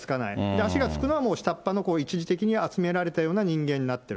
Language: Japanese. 足がつくのはもう下っ端の一時的に集められたような人間になってる。